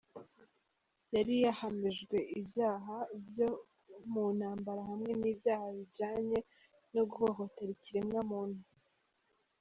Yari yahamijwe ivyaha vyo mu ntambara hamwe n'ivyaha bijanye no guhohotera ikiremwa muntu.